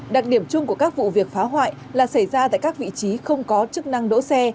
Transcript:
đặc điểm chung của các vụ việc phá hoại là xảy ra tại các vị trí không có chức năng đỗ xe